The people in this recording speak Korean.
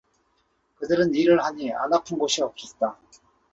그들은 일을 하니 안 아픈 곳이 없었다.